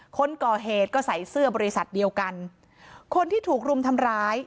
คนก่อเหตุก็ใส่เสื้อบริษัทเดียวกันคนที่ถูกรุมทำร้าย